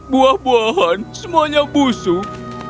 buah buahan semuanya busuk